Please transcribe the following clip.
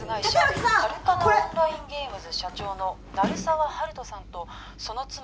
これハルカナ・オンライン・ゲームズ社長の鳴沢温人さんとその妻